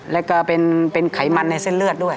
แล้วก็เป็นไขมันในเส้นเลือดด้วย